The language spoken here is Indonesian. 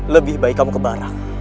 lebih baik kamu ke barang